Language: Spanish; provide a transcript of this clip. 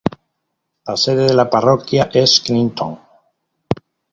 La sede de la parroquia es Clinton.